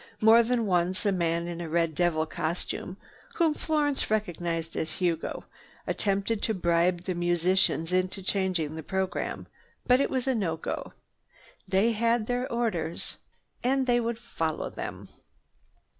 More than once a man in a red devil costume, whom Florence recognized as Hugo, attempted to bribe the musicians into changing the program, but it was no go. They had their orders. They would follow them.